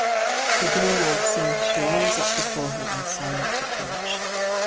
Her girl life seemed to rise up before her in silent reproach.